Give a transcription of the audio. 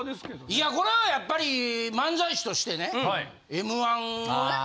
いやこれはやっぱり漫才師としてね。